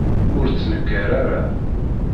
Ur ttnekkar ara.